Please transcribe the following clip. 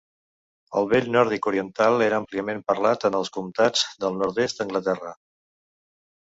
El vell nòrdic oriental era àmpliament parlat en els comtats del nord-est d'Anglaterra.